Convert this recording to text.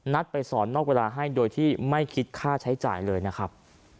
ไปสอนนอกเวลาให้โดยที่ไม่คิดค่าใช้จ่ายเลยนะครับ